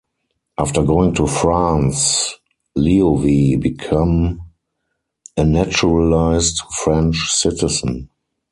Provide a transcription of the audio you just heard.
After going to France, Loewy become a naturalised French citizen.